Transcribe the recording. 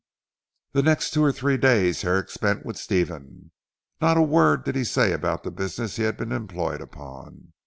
The next two or three days Herrick spent with Stephen. Not a word did he say about the business he had been employed upon.